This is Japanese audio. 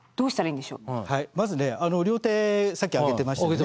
まずね両手さっき上げてましたね。